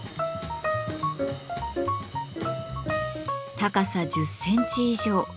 高さ１０センチ以上。